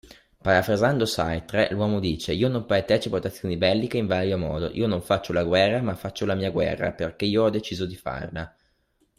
Parafrasando Sartre l'uomo dice: ”io non partecipo ad azioni belliche in vario modo, io non faccio la guerra ma faccio la mia guerra perché io ho deciso di farla”.